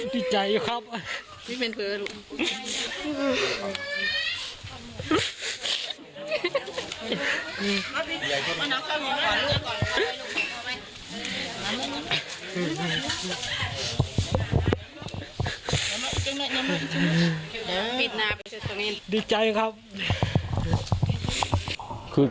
ปิดหน้าไปชุดตรงนี้ดีใจครับ